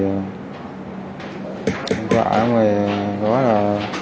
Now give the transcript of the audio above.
anh gọi ông ấy đó là